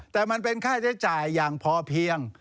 แต่มันเป็นค่าใช้จ่ายอย่างพอเพียง